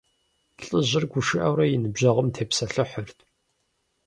ЛӀыжьыр гушыӀэурэ и ныбжьэгъум тепсэлъыхьырт.